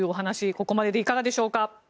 ここまででいかがでしょうか。